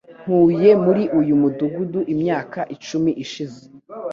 Ntuye muri uyu mudugudu imyaka icumi ishize.